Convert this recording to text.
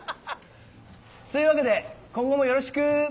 そういうわけで今後もよろしく！